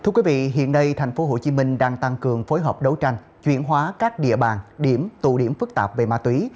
các cơ quan phối hợp đấu tranh chuyển hóa các địa bàn điểm tù điểm phức tạp về ma túy